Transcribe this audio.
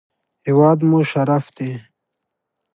هېواد مو شرف دی